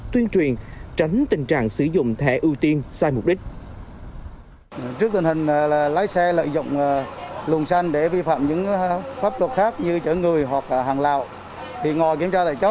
tuyên truyền tránh tình trạng sử dụng thẻ ưu tiên sai mục đích